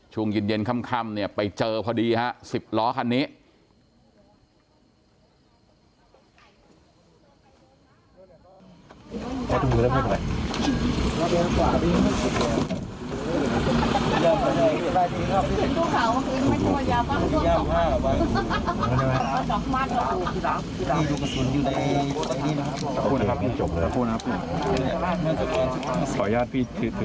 ช่วงหยิดเย็นค่ำไปเจอพอดีฮะ๑๐ล้อคันนี้